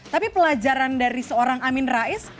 tapi pelajaran dari seorang amin rais